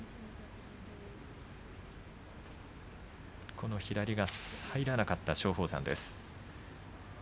この左が入らなかった松鳳山です。